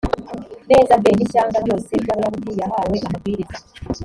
neza b n ishyanga ryose ry abayahudi yahawe amabwiriza